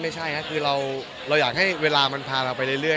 ไม่ใช่ครับคือเราอยากให้เวลามันพาเราไปเรื่อย